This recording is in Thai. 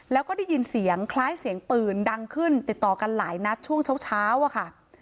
แล้วก็ได้ยินเสียงคล้ายเสียงปืนดังขึ้นติดต่อกันหลายนัดช่วงเช้าอะค่ะ